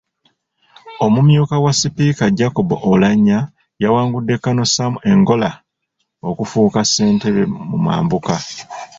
Omumyuka wa Sipiika Jacob Oulanyah yawangudde Col. Sam Engola okufuuka Ssentebe mu Mambuka.